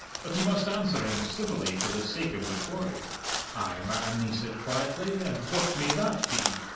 But he must answer him civilly for the sake of the quarry. "Ay, man," he said quietly, "and what may that be?"